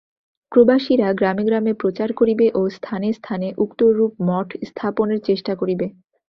প্রবাসীরা গ্রামে গ্রামে প্রচার করিবে ও স্থানে স্থানে উক্তরূপ মঠ স্থাপনের চেষ্টা করিবে।